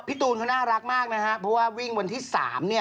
ตูนเขาน่ารักมากนะฮะเพราะว่าวิ่งวันที่๓เนี่ย